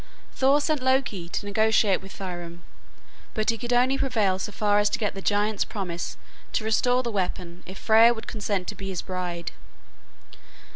Thor sent Loki to negotiate with Thrym, but he could only prevail so far as to get the giant's promise to restore the weapon if Freya would consent to be his bride.